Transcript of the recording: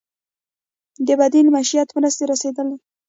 د بدیل معیشت مرستې رسیدلي؟